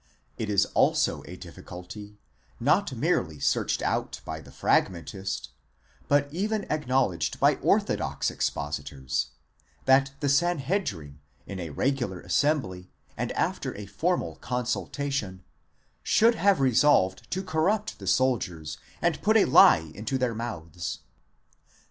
It is also a difficulty, not merely searched out by the Fragmentist, but even acknowledged by orthodox expositors,' that the Sanhedfim, in a regular assembly, and after a formal consultation, should have resolved to corrupt the soldiers and put a lie into their mouths.